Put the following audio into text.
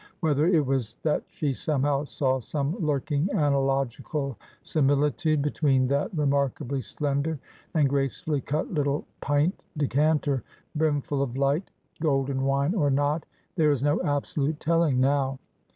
Whether it was that she somehow saw some lurking analogical similitude between that remarkably slender, and gracefully cut little pint decanter, brimfull of light, golden wine, or not, there is no absolute telling now.